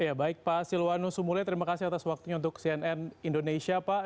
ya baik pak silwanus sumule terima kasih atas waktunya untuk cnn indonesia pak